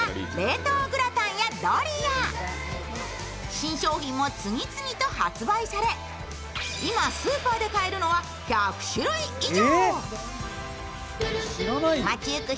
新商品も次々と発売され、今スーパーで買えるのは１００種類以上。